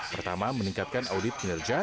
pertama meningkatkan audit kinerja